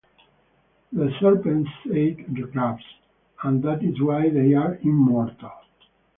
The serpents ate the crabs, and that is why they are immortal.